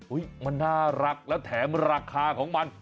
มันน่ารักแล้วแถมราคาของมัน